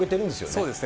そうですね。